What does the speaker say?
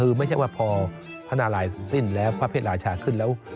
คือไม่ใช่ว่าพอพระนารายย์สุดสิ้นและพระเภทหลาชาขึ้นแล้ว